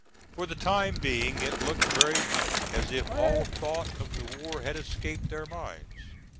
For the time being it looked very much as if all thought of the war had escaped their minds.